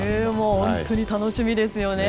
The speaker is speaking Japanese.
本当に楽しみですよね。